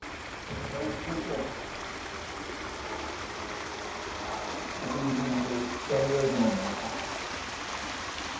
財津先生ハァハァおかげさまでだいぶ良くなりました。